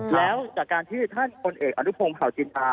แล้วจากการที่ท่านคนเอกอรุณพงษ์ข่าวจินทรา